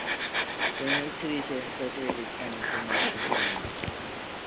There are no cities or incorporated towns in Nelson County.